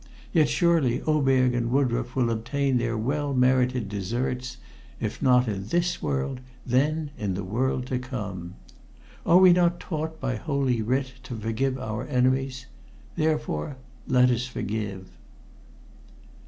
Yet surely Oberg and Woodroffe will obtain their well merited deserts if not in this world, then in the world to come. Are we not taught by Holy Writ to forgive our enemies? Therefore, let us forgive."